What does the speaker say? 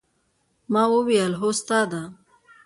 ما وويل هو استاده.